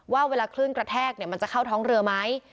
ว่าเวลาคลื่นกระแทกมันจะเข้าท้องเรือไหม